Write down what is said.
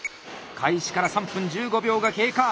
開始から３分１５秒が経過。